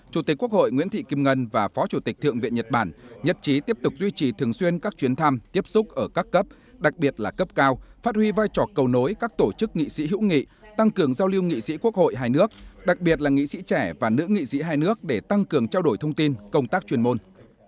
chủ tịch quốc hội nguyễn thị kim ngân và phó chủ tịch thượng viện nhật bản nhất trí tiếp tục duy trì thường xuyên các chuyến thăm tiếp xúc ở các cấp đặc biệt là cấp cao phát huy vai trò cầu nối các tổ chức nghị sĩ hữu nghị tăng cường giao lưu nghị sĩ quốc hội hai nước đặc biệt là nghị sĩ trẻ và nữ nghị sĩ hai nước để tăng cường trao đổi thông tin công tác chuyên môn